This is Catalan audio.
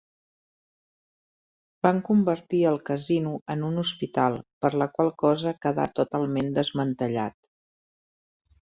Van convertir el casino en un hospital, per la qual cosa quedà totalment desmantellat.